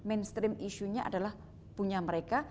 isu utama adalah punya mereka